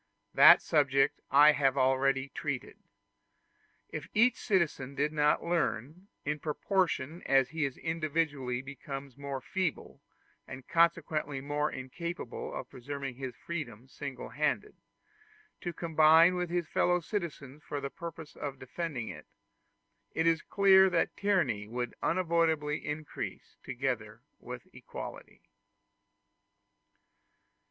That subject I have already treated. If each citizen did not learn, in proportion as he individually becomes more feeble, and consequently more incapable of preserving his freedom single handed, to combine with his fellow citizens for the purpose of defending it, it is clear that tyranny would unavoidably increase together with equality.